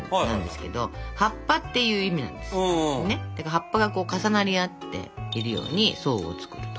葉っぱが重なり合っているように層を作ると。